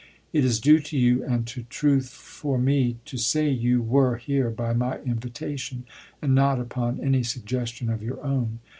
It is due to you and to truth for me to say you were here by my invitation, and not upon any sugges tion of your own.